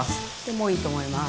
もういいと思います。